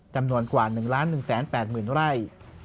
จำนวนกว่า๑ล้าน๑แสน๘หมื่นไร่